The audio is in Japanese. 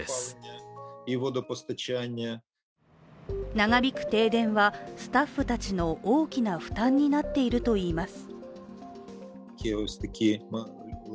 長引く停電は、スタッフたちの大きな負担になっているといいます。